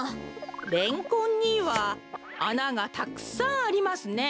レンコンにはあながたくさんありますね。